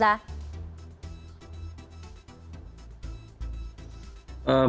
apakah ini juga mengganggu